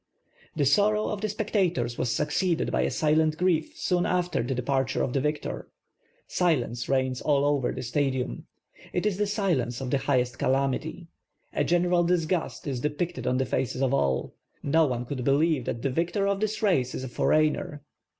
The sorrow of the spectators was succeeded by a silent grief soon after the dejxirture of the victor. Silence rei.gns all over the Stadiinn. It is the silence of the highest calamity. A gen eral disgust is dei)icted on the faces of all. No one could be lieve that the victor of this race is a foreigner.